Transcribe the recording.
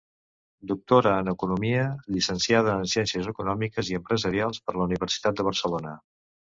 Doctora en Economia, Llicenciada en Ciències Econòmiques i Empresarials per la Universitat de Barcelona.